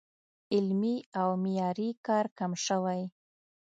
علمي او معیاري کار کم شوی